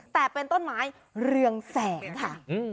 แต่เป็นต้นไม้เรืองแสงค่ะ